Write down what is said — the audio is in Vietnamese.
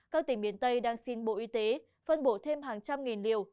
các tỉnh miền tây đang xin bộ y tế phân bổ thêm hàng trăm nghìn liều